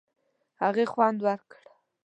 هغې خوند ورکړ.